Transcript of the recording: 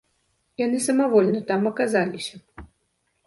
Яны самавольна там аказаліся.